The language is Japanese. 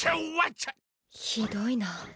ひどいな。